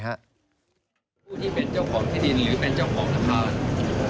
ผู้ที่เป็นเจ้าของที่ดินหรือเป็นเจ้าของธนาคาร